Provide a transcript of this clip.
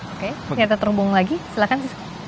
oke ternyata terhubung lagi silahkan